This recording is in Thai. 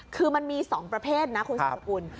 คือมันมี๒ประเภทนะคุณสุดสกุล